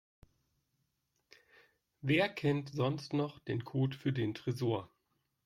Wer kennt sonst noch den Code für den Tresor?